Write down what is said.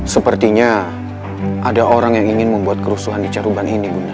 sepertinya ada orang yang ingin membuat kerusuhan di caruban ini bunda